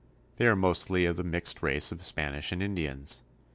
They are mostly of the mixed race of Spanish and Indians.